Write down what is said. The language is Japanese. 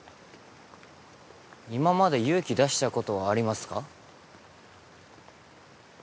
今まで勇気出したことはありますか？